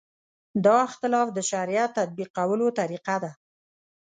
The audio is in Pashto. دا اختلاف د شریعت تطبیقولو طریقه ده.